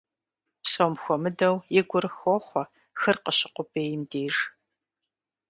Псом хуэмыдэу и гур хохъуэ хыр къыщыукъубейм деж.